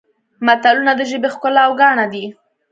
متلونه د ژبې ښکلا او ګاڼه دي